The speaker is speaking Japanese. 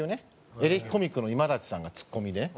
エレキコミックの今立さんがツッコミでね。